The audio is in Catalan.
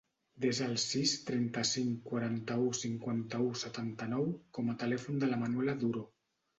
Desa el sis, trenta-cinc, quaranta-u, cinquanta-u, setanta-nou com a telèfon de la Manuela Duro.